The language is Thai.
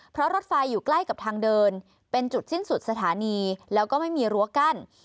เพราะรถไฟอยู่ใกล้กับทางเดินเป็นจุดสิ้นสุดสถานีแล้วก็ไม่มีรั้วกั้น